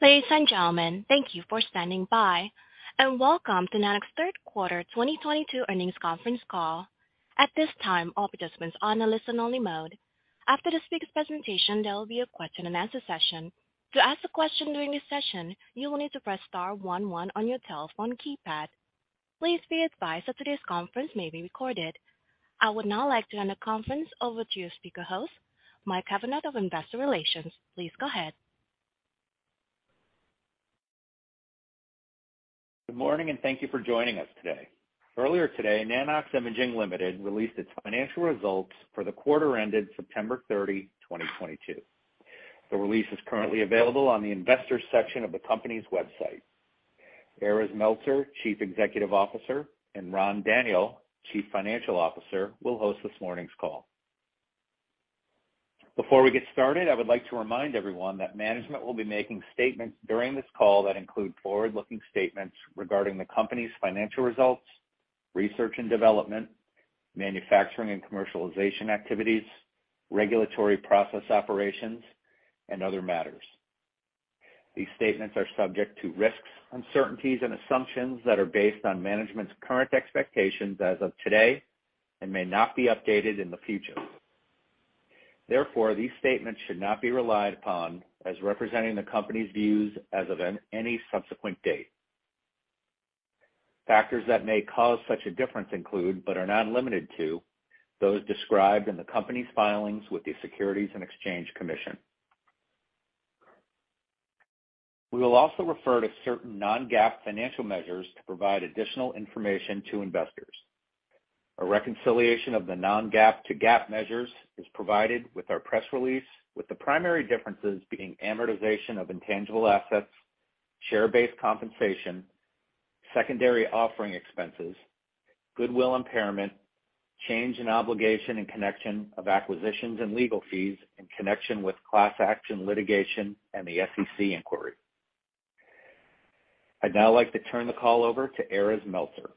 Ladies and gentlemen, thank you for standing by, and welcome to Nanox third quarter 2022 earnings conference call. At this time, all participants are on a listen-only mode. After the speaker presentation, there will be a question and answer session. To ask a question during this session, you will need to press star one one on your telephone keypad. Please be advised that today's conference may be recorded. I would now like to hand the conference over to your speaker host, Mike Cavanaugh of Investor Relations. Please go ahead. Good morning, and thank you for joining us today. Earlier today, Nano-X Imaging Ltd. released its financial results for the quarter ended September 30, 2022. The release is currently available on the investors section of the company's website. Erez Meltzer, Chief Executive Officer, and Ran Daniel, Chief Financial Officer, will host this morning's call. Before we get started, I would like to remind everyone that management will be making statements during this call that include forward-looking statements regarding the company's financial results, research and development, manufacturing and commercialization activities, regulatory process operations, and other matters. These statements are subject to risks, uncertainties and assumptions that are based on management's current expectations as of today and may not be updated in the future. Therefore, these statements should not be relied upon as representing the company's views as of any subsequent date. Factors that may cause such a difference include, but are not limited to those described in the company's filings with the Securities and Exchange Commission. We will also refer to certain non-GAAP financial measures to provide additional information to investors. A reconciliation of the non-GAAP to GAAP measures is provided with our press release, with the primary differences being amortization of intangible assets, share-based compensation, secondary offering expenses, goodwill impairment, change in obligation in connection with acquisitions and legal fees in connection with class action litigation and the SEC inquiry. I'd now like to turn the call over to Erez Meltzer.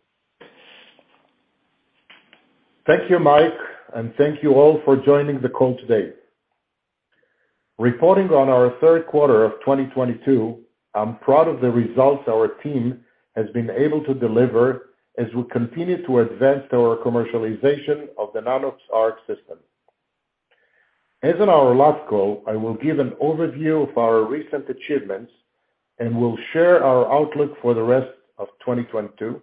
Thank you, Mike, and thank you all for joining the call today. Reporting on our third quarter of 2022, I'm proud of the results our team has been able to deliver as we continue to advance our commercialization of the Nanox.ARC system. As in our last call, I will give an overview of our recent achievements, and we'll share our outlook for the rest of 2022.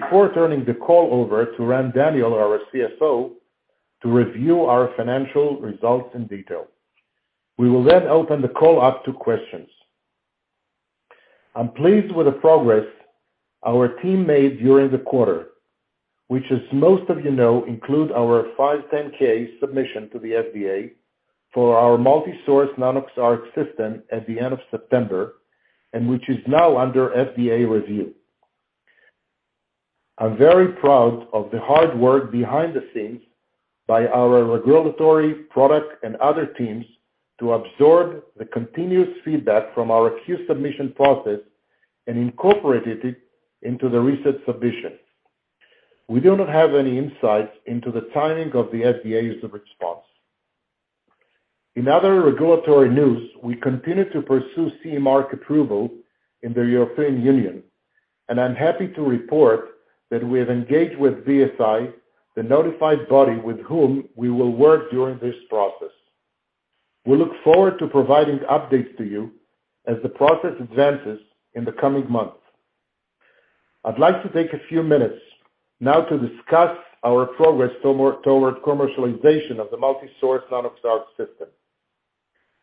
Before turning the call over to Ran Daniel, our CFO, to review our financial results in detail, we will then open the call up to questions. I'm pleased with the progress our team made during the quarter, which, as most of you know, include our 510(k) submission to the FDA for our multi-source Nanox.ARC system at the end of September, and which is now under FDA review. I'm very proud of the hard work behind the scenes by our regulatory product and other teams to absorb the continuous feedback from our Q-Submission process and incorporated it into the recent submission. We do not have any insights into the timing of the FDA's response. In other regulatory news, we continue to pursue CE mark approval in the European Union, and I'm happy to report that we have engaged with BSI, the notified body with whom we will work during this process. We look forward to providing updates to you as the process advances in the coming months. I'd like to take a few minutes now to discuss our progress toward commercialization of the multi-source Nanox.ARC system.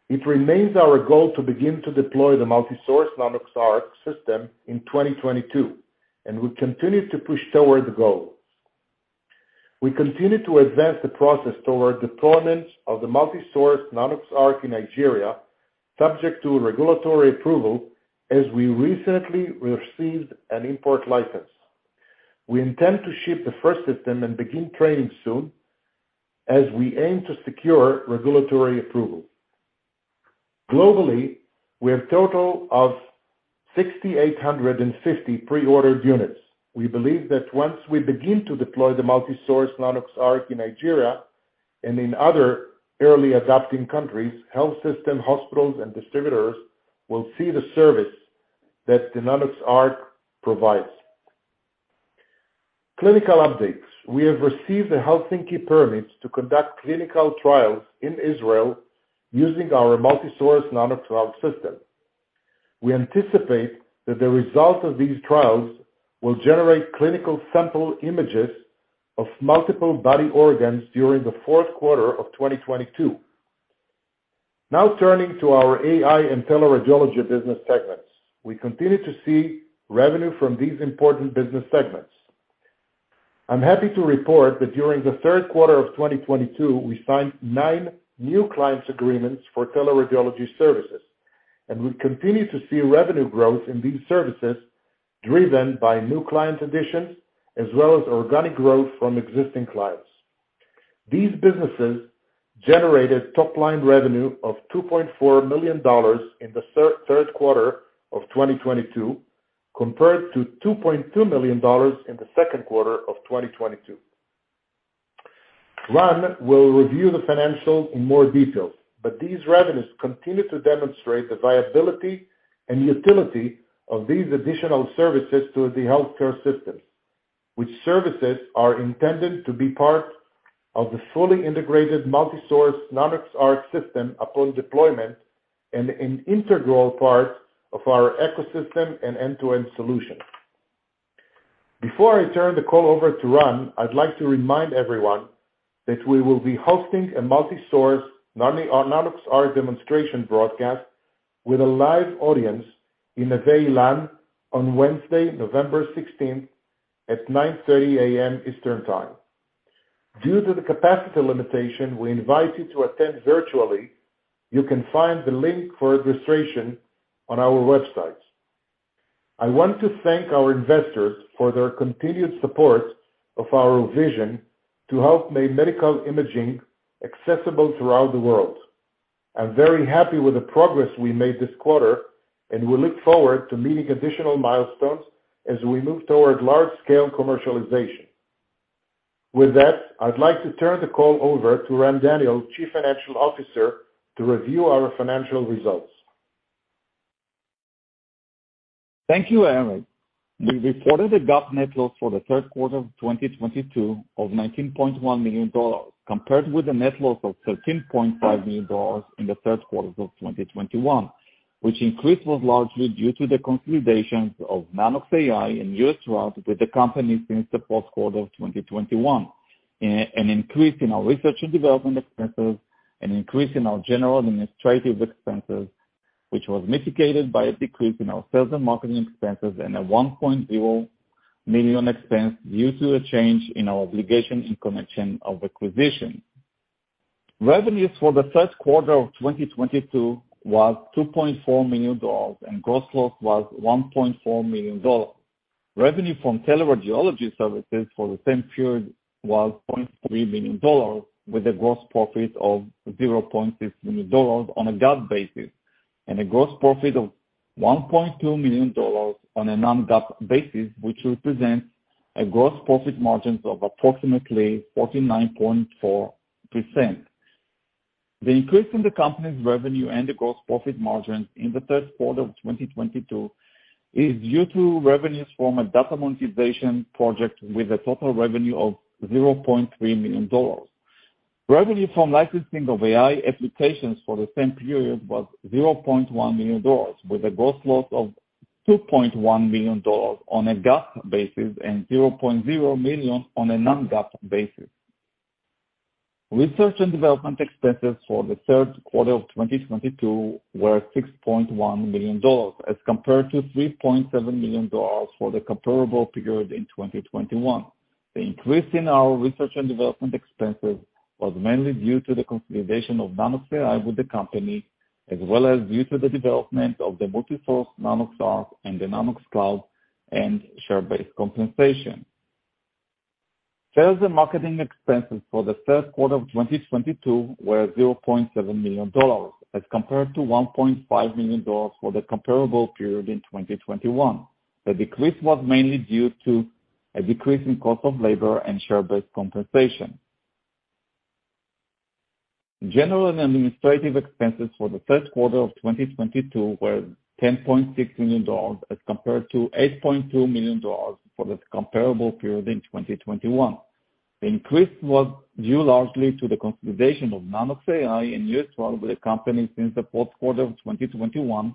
It remains our goal to begin to deploy the multi-source Nanox.ARC system in 2022, and we continue to push toward the goal. We continue to advance the process toward deployment of the multi-source Nanox.ARC in Nigeria, subject to regulatory approval as we recently received an import license. We intend to ship the first system and begin training soon as we aim to secure regulatory approval. Globally, we have total of 6,850 pre-ordered units. We believe that once we begin to deploy the multi-source Nanox.ARC in Nigeria and in other early adopting countries, health system hospitals and distributors will see the service that the Nanox.ARC provides. Clinical updates. We have received the Helsinki permits to conduct clinical trials in Israel using our multi-source Nano Trial system. We anticipate that the results of these trials will generate clinical sample images of multiple body organs during the fourth quarter of 2022. Now turning to our AI and teleradiology business segments. We continue to see revenue from these important business segments. I'm happy to report that during the third quarter of 2022, we signed 9 new client agreements for teleradiology services, and we continue to see revenue growth in these services driven by new client additions as well as organic growth from existing clients. These businesses generated top line revenue of $2.4 million in the third quarter of 2022, compared to $2.2 million in the second quarter of 2022. Ran will review the financials in more detail, but these revenues continue to demonstrate the viability and utility of these additional services to the healthcare system, which services are intended to be part of the fully integrated multi-source Nanox Arc system upon deployment and an integral part of our ecosystem and end-to-end solution. Before I turn the call over to Ran, I'd like to remind everyone that we will be hosting a multi-source Nanox.ARC demonstration broadcast with a live audience in Neve Ilan on Wednesday, November 16 at 9:30 A.M. Eastern Time. Due to the capacity limitation, we invite you to attend virtually. You can find the link for registration on our website. I want to thank our investors for their continued support of our vision to help make medical imaging accessible throughout the world. I'm very happy with the progress we made this quarter, and we look forward to meeting additional milestones as we move toward large-scale commercialization. With that, I'd like to turn the call over to Ran Daniel, Chief Financial Officer, to review our financial results. Thank you, Erez. We reported a GAAP net loss for the third quarter of 2022 of $19.1 million, compared with a net loss of $13.5 million in the third quarter of 2021, which increase was largely due to the consolidations of Nanox.AI and USARAD with the company since the fourth quarter of 2021, an increase in our research and development expenses, an increase in our general administrative expenses, which was mitigated by a decrease in our sales and marketing expenses, and a $1.0 million expense due to a change in our obligation in connection of acquisitions. Revenues for the third quarter of 2022 was $2.4 million, and gross loss was $1.4 million. Revenue from teleradiology services for the same period was $0.3 million, with a gross profit of $0.6 million on a GAAP basis and a gross profit of $1.2 million on a non-GAAP basis, which represents a gross profit margins of approximately 49.4%. The increase in the company's revenue and the gross profit margins in the third quarter of 2022 is due to revenues from a data monetization project with a total revenue of $0.3 million. Revenue from licensing of AI applications for the same period was $0.1 million, with a gross loss of $2.1 million on a GAAP basis and $0.0 million on a non-GAAP basis. Research and development expenses for the third quarter of 2022 were $6.1 million, as compared to $3.7 million for the comparable period in 2021. The increase in our research and development expenses was mainly due to the consolidation of Nanox.AI with the company, as well as due to the development of the multi-source Nanox.ARC and the Nanox.CLOUD and share-based compensation. Sales and marketing expenses for the third quarter of 2022 were $0.7 million, as compared to $1.5 million for the comparable period in 2021. The decrease was mainly due to a decrease in cost of labor and share-based compensation. General and administrative expenses for the third quarter of 2022 were $10.6 million, as compared to $8.2 million for the comparable period in 2021. The increase was due largely to the consolidation of Nanox.AI and USARAD with the company since the fourth quarter of 2021,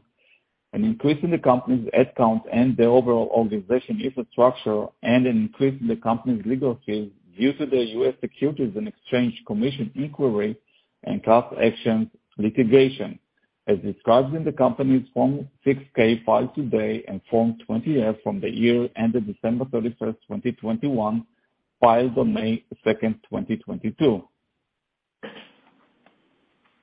an increase in the company's head count and the overall organizational infrastructure and an increase in the company's legal fees due to the U.S. Securities and Exchange Commission inquiry and class action litigation, as described in the company's Form 6-K filed today and Form 20-F for the year ended December 31, 2021, filed on May 2, 2022.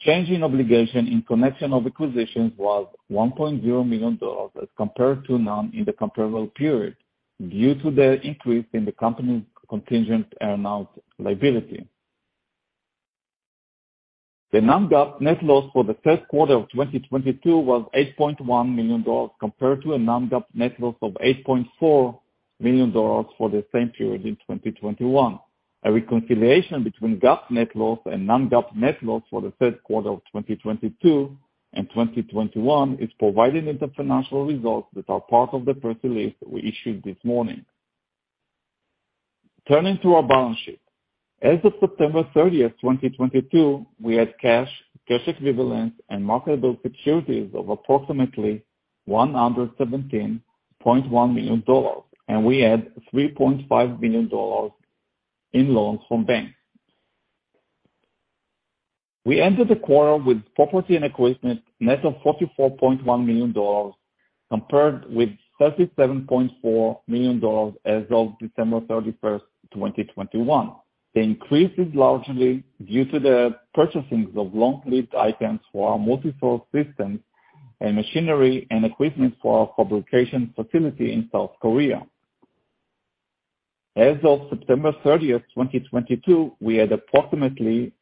Change in obligations in connection with acquisitions was $1.0 million as compared to none in the comparable period due to the increase in the company's contingent earnout liability. The non-GAAP net loss for the third quarter of 2022 was $8.1 million, compared to a non-GAAP net loss of $8.4 million for the same period in 2021. A reconciliation between GAAP net loss and non-GAAP net loss for the third quarter of 2022 and 2021 is provided in the financial results that are part of the press release that we issued this morning. Turning to our balance sheet. As of September 30, 2022, we had cash equivalents and marketable securities of approximately $117.1 million, and we had $3.5 million in loans from banks. We entered the quarter with property and equipment net of $44.1 million, compared with $37.4 million as of December 31, 2021. The increase is largely due to the purchasings of long-lived items for our multi-source systems and machinery and equipment for our fabrication facility in South Korea. As of September 30, 2022, we had approximately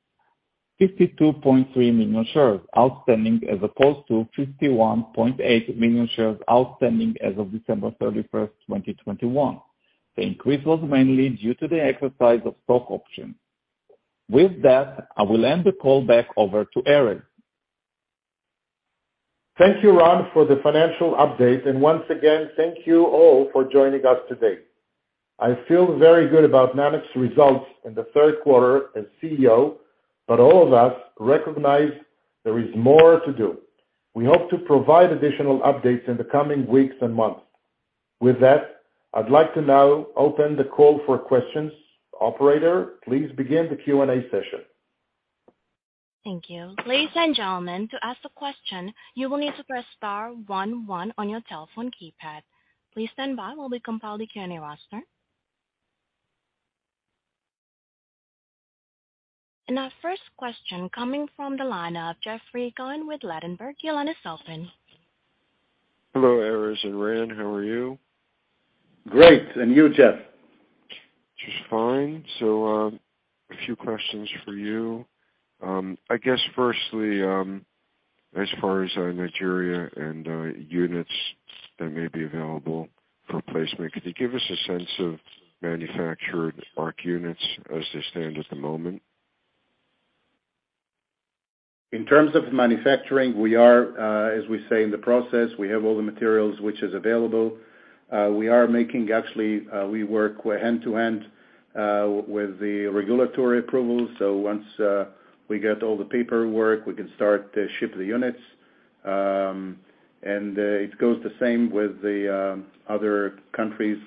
52.3 million shares outstanding as opposed to 51.8 million shares outstanding as of December 31, 2021. The increase was mainly due to the exercise of stock options. With that, I will hand the call back over to Erez. Thank you, Ran, for the financial update. Once again, thank you all for joining us today. I feel very good about Nanox results in the third quarter as CEO, but all of us recognize there is more to do. We hope to provide additional updates in the coming weeks and months. With that, I'd like to now open the call for questions. Operator, please begin the Q&A session. Thank you. Ladies and gentlemen, to ask a question, you will need to press star one one on your telephone keypad. Please stand by while we compile the Q&A roster. Our first question coming from the line of Jeffrey Cohen with Ladenburg. You'll un-mute yourself then. Hello, Erez and Ran. How are you? Great. You, Jeff? Just fine. A few questions for you. I guess firstly, as far as Nigeria and units that may be available for placement, could you give us a sense of manufactured ARC units as they stand at the moment? In terms of manufacturing, we are, as we say, in the process. We have all the materials which is available. We are making actually, we work hand in hand with the regulatory approval. Once we get all the paperwork, we can start to ship the units. It goes the same with the other countries,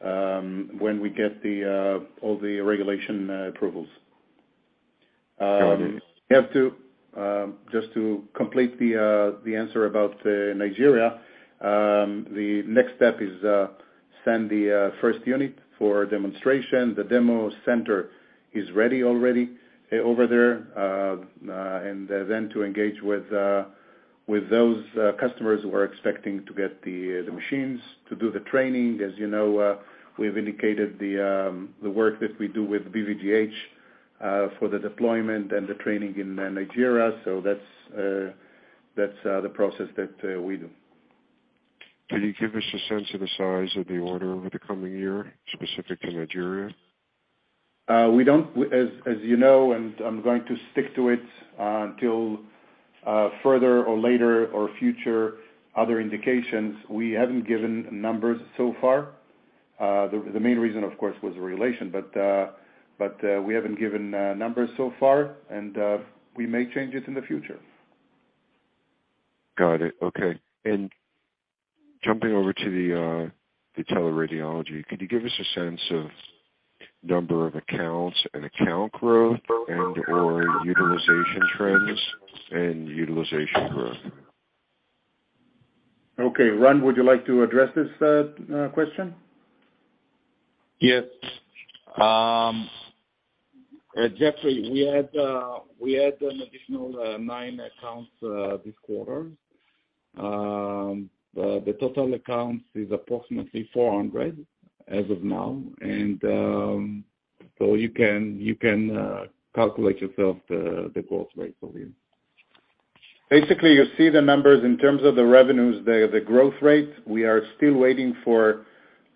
when we get all the regulatory approvals. We have to just to complete the answer about Nigeria. The next step is send the first unit for demonstration. The demo center is ready already over there, and then to engage with those customers who are expecting to get the machines to do the training. As you know, we've indicated the work that we do with BVGH for the deployment and the training in Nigeria. That's the process that we do. Can you give us a sense of the size of the order over the coming year, specific to Nigeria? As you know, and I'm going to stick to it, until further or later or future other indications, we haven't given numbers so far. The main reason, of course, was regulation. We haven't given numbers so far, and we may change it in the future. Got it. Okay. Jumping over to the teleradiology, could you give us a sense of number of accounts and/or account growth and utilization trends and utilization growth? Okay. Ran, would you like to address this question? Yes. Jeffrey, we had an additional nine accounts this quarter. The total accounts is approximately 400 as of now. You can calculate yourself the growth rate of it. Basically, you see the numbers in terms of the revenues, the growth rates. We are still waiting for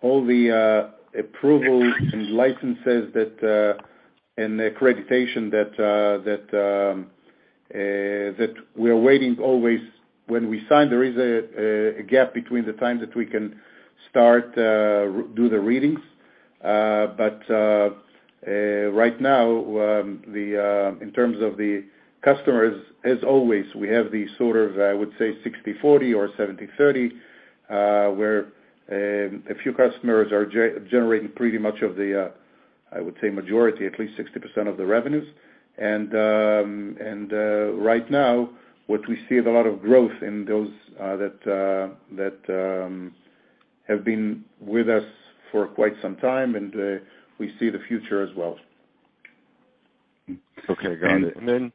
all the approvals and licenses and accreditation that we are waiting always when we sign, there is a gap between the time that we can start do the readings. Right now, in terms of the customers, as always, we have the sort of, I would say, 60/40 or 70/30, where a few customers are generating pretty much of the, I would say majority, at least 60% of the revenues. Right now, what we see is a lot of growth in those that have been with us for quite some time, and we see the future as well. Okay, got it.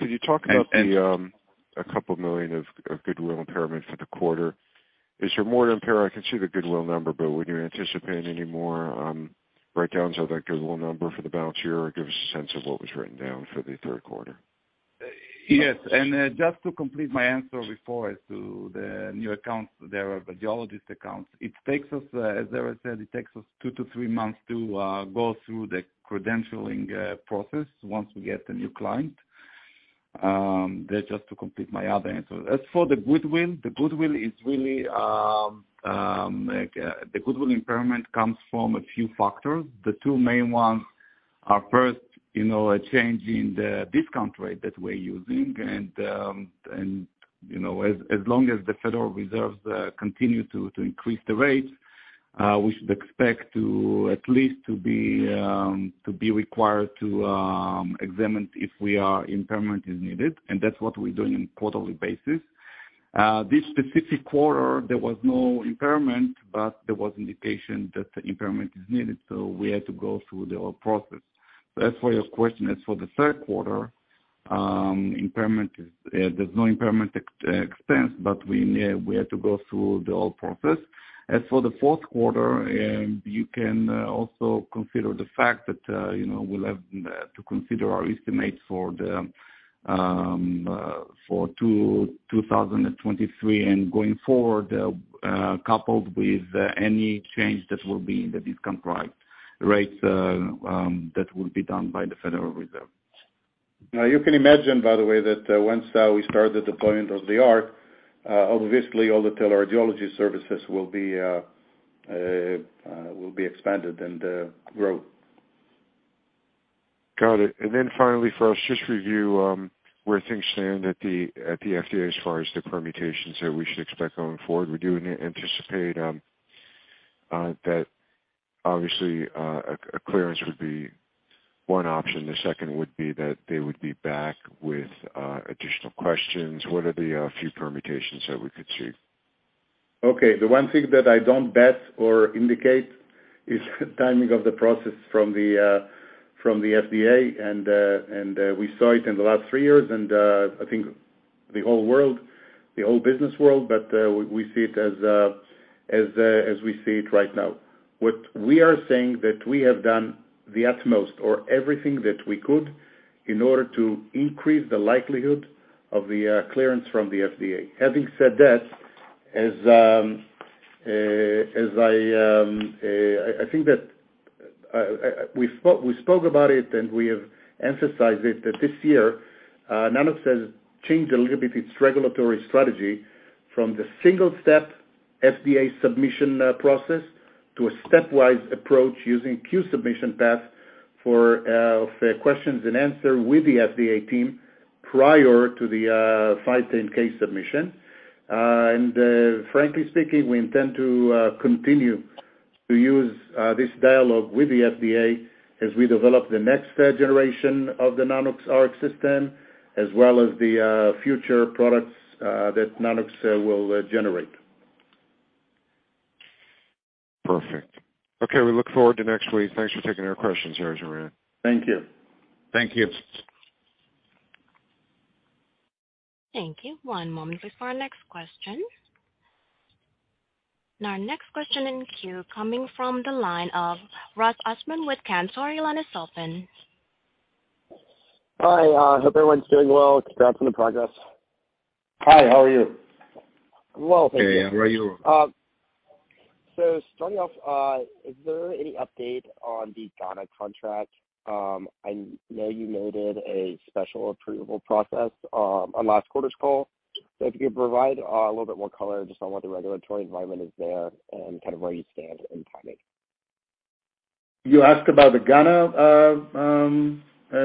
Could you talk about the $2 million of goodwill impairment for the quarter? Is there more to impair? I can see the goodwill number, but would you anticipate any more breakdowns of that goodwill number for the balance of the year, or give us a sense of what was written down for the third quarter? Yes. Just to complete my answer before, as to the new accounts there, radiologist accounts. It takes us, as Erez said, two to three months to go through the credentialing process once we get a new client. That's just to complete my other answer. As for the goodwill, the goodwill is really like the goodwill impairment comes from a few factors. The two main ones are, first, you know, a change in the discount rate that we're using. You know, as long as the Federal Reserve continues to increase the rates, we should expect to at least be required to examine if an impairment is needed, and that's what we're doing on a quarterly basis. This specific quarter, there was no impairment, but there was indication that the impairment is needed, so we had to go through the whole process. As for your question, as for the third quarter- Impairment is, there's no impairment expense, but we had to go through the whole process. As for the fourth quarter, you can also consider the fact that, you know, we'll have to consider our estimates for the 2023 and going forward, coupled with any change that will be in the discount rates that will be done by the Federal Reserve. Now, you can imagine, by the way, that once we start the deployment of the Arc, obviously all the teleradiology services will be expanded and grow. Got it. Finally for us, just review where things stand at the FDA as far as the permutations that we should expect going forward. We do anticipate that obviously a clearance would be one option. The second would be that they would be back with additional questions. What are the few permutations that we could see? Okay. The one thing that I don't bet or indicate is the timing of the process from the FDA. We saw it in the last three years, and I think the whole world, the whole business world, but we see it as we see it right now. What we are saying that we have done the utmost or everything that we could in order to increase the likelihood of the clearance from the FDA. Having said that, we spoke about it and we have emphasized it, that this year Nanox has changed a little bit its regulatory strategy from the single step FDA submission process to a stepwise approach using Q-Submission path for questions and answers with the FDA team prior to the 510(k) submission. Frankly speaking, we intend to continue to use this dialogue with the FDA as we develop the next generation of the Nanox.ARC system, as well as the future products that Nanox will generate. Perfect. Okay, we look forward to next week. Thanks for taking our questions here, Erez. Thank you. Thank you. Thank you. One moment before our next question. Now, our next question in queue coming from the line of Ross Osborn with Cantor Fitzgerald. Your line is open. Hi, hope everyone's doing well. Congrats on the progress. Hi, how are you? I'm well, thank you. Okay. How are you? Starting off, is there any update on the Ghana contract? I know you noted a special approval process on last quarter's call. If you could provide a little bit more color just on what the regulatory environment is there and kind of where you stand in timing. You asked about the Ghana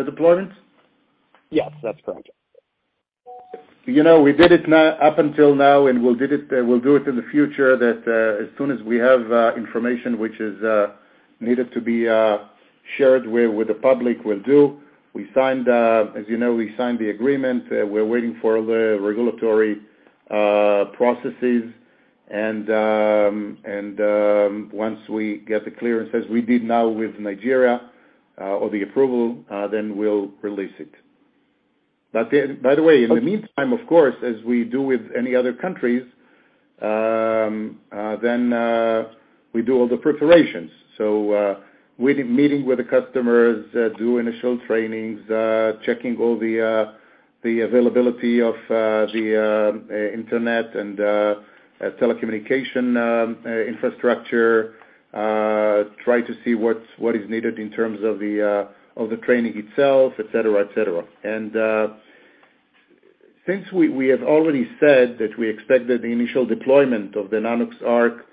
deployment? Yes, that's correct. You know, we did it now up until now, and we'll do it in the future, that as soon as we have information which is needed to be shared with the public, we'll do. We signed, as you know, the agreement. We're waiting for the regulatory processes. Once we get the clearance, as we did now with Nigeria, or the approval, then we'll release it. By the way, in the meantime, of course, as we do with any other countries, we do all the preparations. We're meeting with the customers, doing initial trainings, checking all the availability of the internet and telecommunication infrastructure, try to see what is needed in terms of the training itself, et cetera. Since we have already said that we expect that the initial deployment of the Nanox.ARC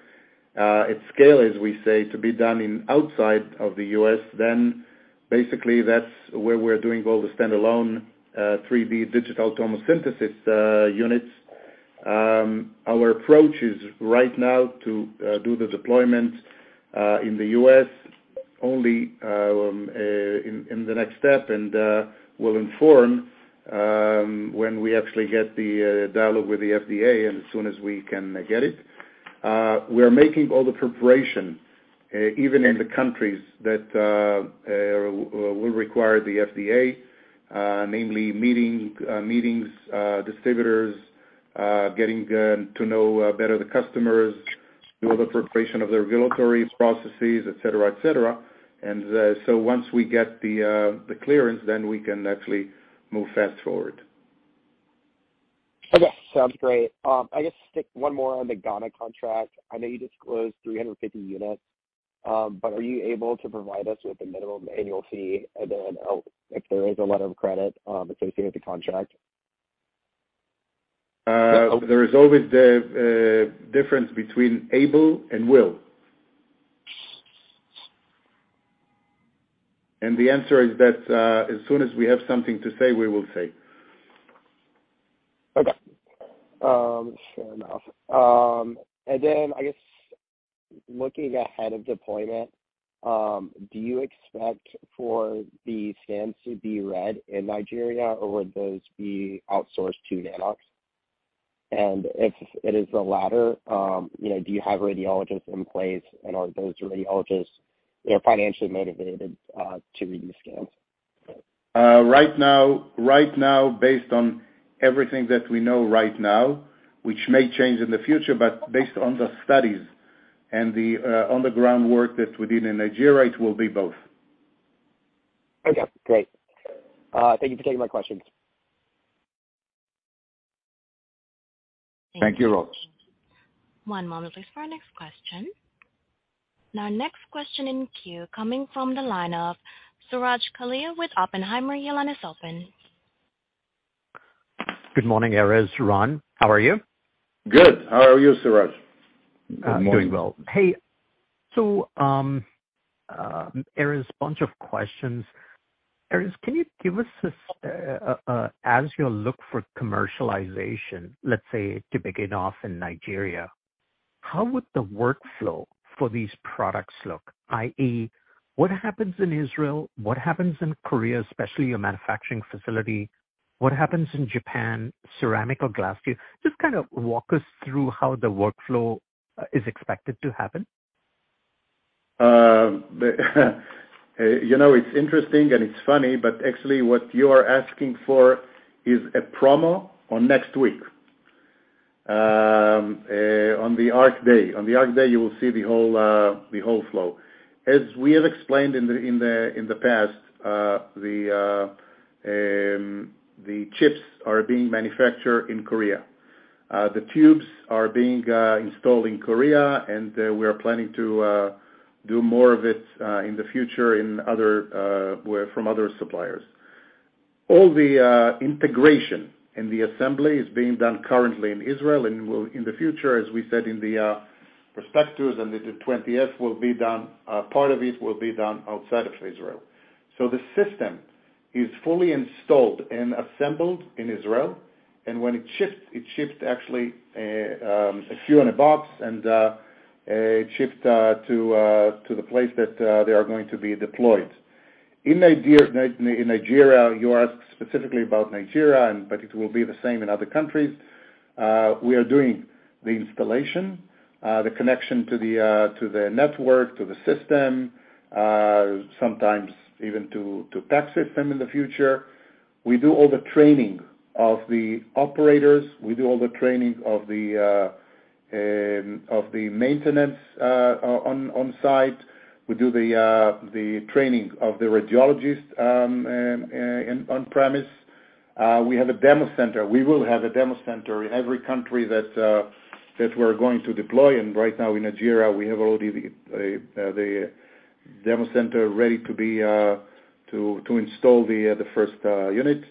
at scale, as we say, to be done in outside of the U.S., then basically that's where we're doing all the standalone 3D digital tomosynthesis units. Our approach is right now to do the deployment in the U.S. only in the next step. We'll inform when we actually get the dialogue with the FDA and as soon as we can get it. We are making all the preparation even in the countries that will require the FDA, namely meeting distributors, getting to know better the customers, do all the preparation of the regulatory processes, et cetera. Once we get the clearance, then we can actually move fast forward. Okay. Sounds great. I guess just one more on the Ghana contract. I know you disclosed 350 units. Are you able to provide us with the minimum annual fee and then, if there is a letter of credit, associated with the contract? There is always the difference between able and will. The answer is that as soon as we have something to say, we will say. Okay. Fair enough. I guess looking ahead of deployment, do you expect for the scans to be read in Nigeria, or would those be outsourced to Nanox? If it is the latter, you know, do you have radiologists in place and are those radiologists, you know, financially motivated to read the scans? Right now, based on everything that we know right now, which may change in the future, but based on the studies and the groundwork that within Nigeria, it will be both. Okay, great. Thank you for taking my questions. Thank you, Ross. One moment please for our next question. Our next question in queue coming from the line of Suraj Kalia with Oppenheimer. Your line is open. Good morning, Erez, Ran. How are you? Good. How are you, Suraj? Good morning. I'm doing well. Hey, so, Erez, bunch of questions. Erez, can you give us this, as you look for commercialization, let's say to begin off in Nigeria, how would the workflow for these products look? i.e., what happens in Israel? What happens in Korea, especially your manufacturing facility? What happens in Japan, ceramic or glass tube? Just kind of walk us through how the workflow is expected to happen. You know, it's interesting and it's funny, but actually what you are asking for is a demo next week. On the ARC day, you will see the whole flow. As we have explained in the past, the chips are being manufactured in Korea. The tubes are being installed in Korea, and we are planning to do more of it in the future from other suppliers. All the integration and the assembly is being done currently in Israel and in the future, as we said in the prospectus and the 20-F, part of it will be done outside of Israel. The system is fully installed and assembled in Israel, and when it ships, it ships actually a few in a box and it ships to the place that they are going to be deployed. In Nigeria, you asked specifically about Nigeria, but it will be the same in other countries. We are doing the installation, the connection to the network, to the system, sometimes even to the PACS system in the future. We do all the training of the operators. We do all the training of the maintenance on site. We do the training of the radiologist on premise. We have a demo center. We will have a demo center in every country that we're going to deploy. Right now in Nigeria, we have already the demo center ready to install the first unit.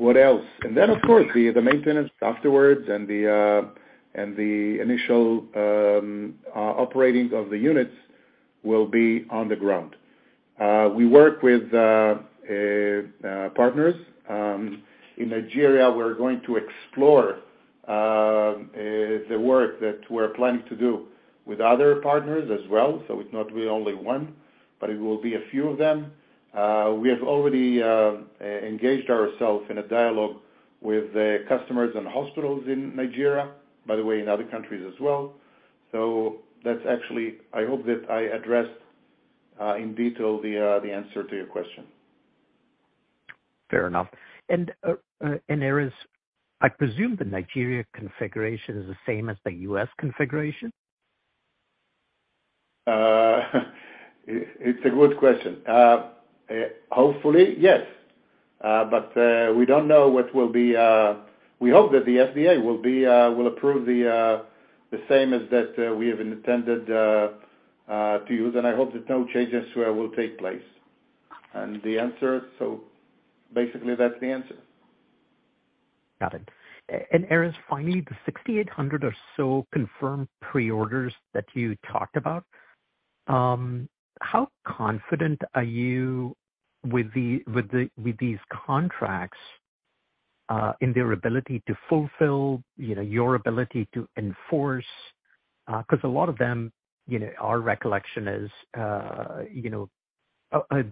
What else? Of course, the maintenance afterwards and the initial operating of the units will be on the ground. We work with partners. In Nigeria, we're going to explore the work that we're planning to do with other partners as well. It's not be only one, but it will be a few of them. We have already engaged ourselves in a dialogue with the customers and hospitals in Nigeria, by the way, in other countries as well. That's actually. I hope that I addressed in detail the answer to your question. Fair enough. Erez, I presume the Nigeria configuration is the same as the U.S. configuration? It's a good question. Hopefully, yes. But we don't know what will be. We hope that the FDA will approve the same as that we have intended to use. I hope that no changes will take place. Basically, that's the answer. Got it. Erez, finally, the 6,800 or so confirmed pre-orders that you talked about, how confident are you with these contracts in their ability to fulfill, you know, your ability to enforce? Because a lot of them, you know, our recollection is, you know,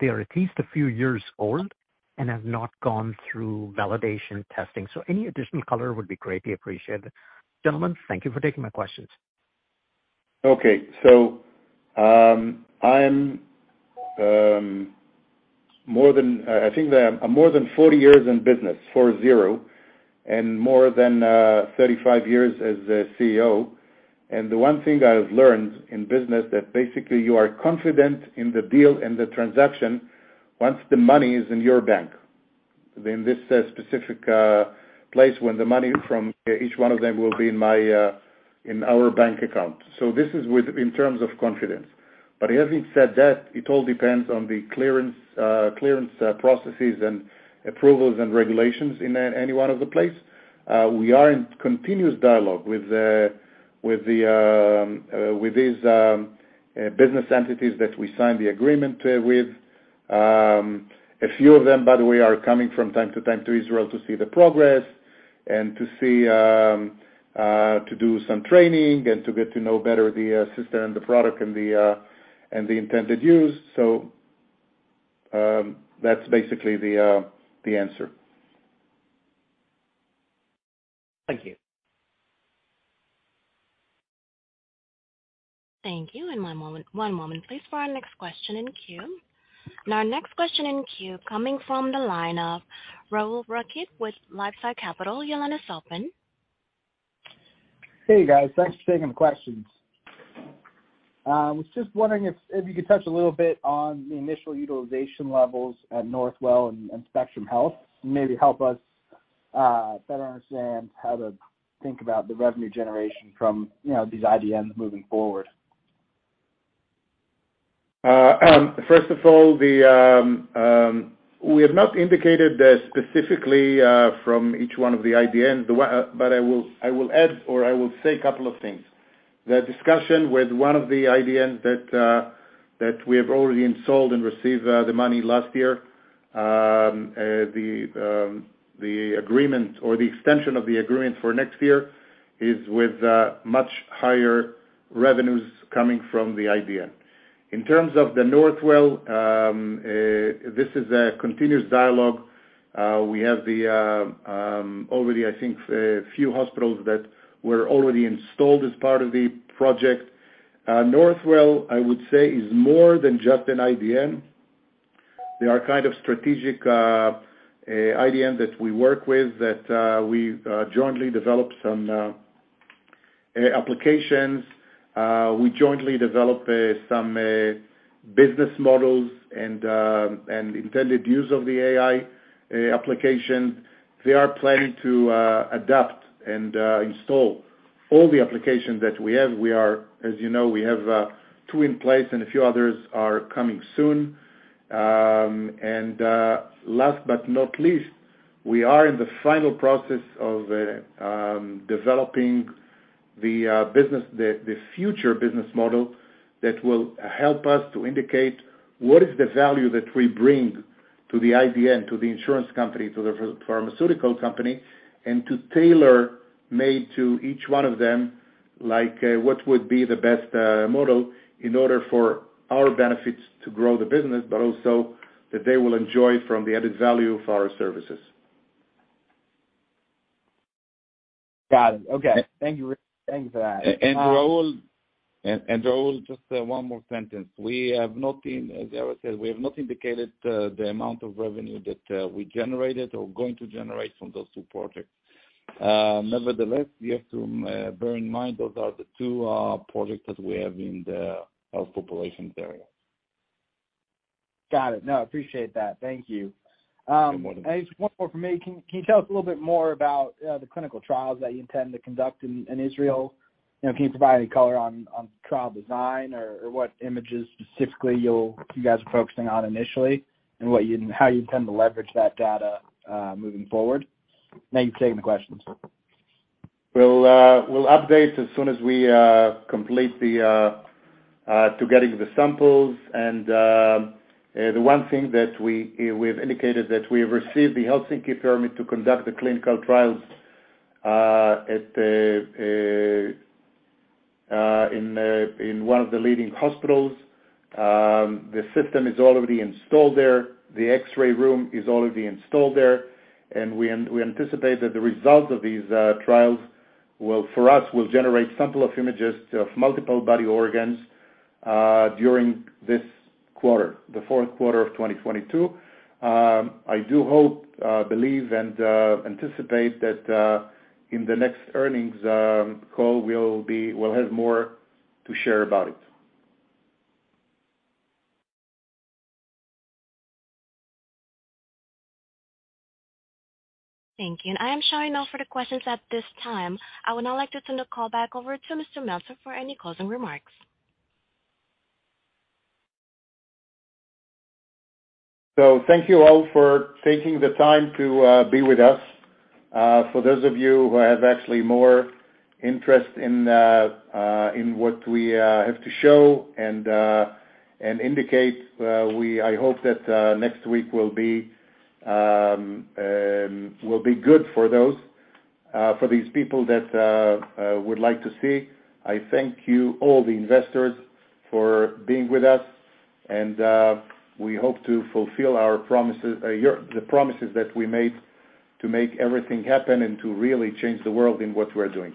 they're at least a few years old and have not gone through validation testing. Any additional color would be greatly appreciated. Gentlemen, thank you for taking my questions. Okay. I think that I'm more than 40 years in business, 40, and more than 35 years as a CEO. The one thing I've learned in business is that basically you are confident in the deal and the transaction once the money is in your bank. In this specific place when the money from each one of them will be in our bank account. This is in terms of confidence. But having said that, it all depends on the clearance processes and approvals and regulations in any one of the place. We are in continuous dialogue with these business entities that we signed the agreement with. A few of them, by the way, are coming from time to time to Israel to see the progress and to do some training and to get to know better the system, the product and the intended use. That's basically the answer. Thank you. Thank you, one moment please, for our next question in queue. Our next question in queue coming from the line of Rahul Rakhit with LifeSci Capital. Your line is open. Hey, guys. Thanks for taking the questions. I was just wondering if you could touch a little bit on the initial utilization levels at Northwell and Spectrum Health. Maybe help us better understand how to think about the revenue generation from, you know, these IDNs moving forward. First of all, we have not indicated that specifically from each one of the IDNs. I will add or say a couple of things. The discussion with one of the IDNs that we have already installed and received the money last year, the agreement or the extension of the agreement for next year is with much higher revenues coming from the IDN. In terms of Northwell, this is a continuous dialogue. We have already, I think, few hospitals that were already installed as part of the project. Northwell, I would say, is more than just an IDN. They are kind of strategic IDN that we work with that we've jointly developed some applications. We jointly develop some business models and intended use of the AI application. They are planning to adapt and install all the applications that we have. As you know, we have two in place, and a few others are coming soon. Last but not least, we are in the final process of developing the future business model that will help us to indicate what is the value that we bring to the IDN, to the insurance company, to the pharmaceutical company, and tailor-made to each one of them, like, what would be the best model in order for our benefits to grow the business, but also that they will enjoy from the added value of our services. Got it. Okay. Thank you. Thank you for that. Rahul, just one more sentence. We have not been, as Erez said, we have not indicated the amount of revenue that we generated or going to generate from those two projects. Nevertheless, you have to bear in mind, those are the two projects that we have in the health populations area. Got it. No, I appreciate that. Thank you. You're welcome. Just one more from me. Can you tell us a little bit more about the clinical trials that you intend to conduct in Israel? You know, can you provide any color on trial design or what images specifically you guys are focusing on initially? How you intend to leverage that data moving forward? Thank you for taking the questions. We'll update as soon as we complete getting the samples. The one thing that we've indicated that we've received the Helsinki permit to conduct the clinical trials in one of the leading hospitals. The system is already installed there. The X-ray room is already installed there. We anticipate that the results of these trials will, for us, will generate sample of images of multiple body organs during this quarter, the fourth quarter of 2022. I do hope, believe, and anticipate that in the next earnings call, we'll have more to share about it. Thank you. I am opening now for the questions at this time. I would now like to turn the call back over to Mr. Meltzer for any closing remarks. Thank you all for taking the time to be with us. For those of you who have actually more interest in what we have to show and indicate, I hope that next week will be good for these people that would like to see. I thank you, all the investors, for being with us, and we hope to fulfill our promises, the promises that we made to make everything happen and to really change the world in what we're doing.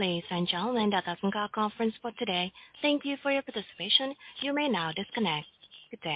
Ladies and gentlemen, that does end our conference for today. Thank you for your participation. You may now disconnect. Good day.